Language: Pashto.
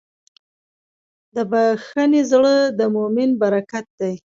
د بښنې زړه د مؤمن برکت دی.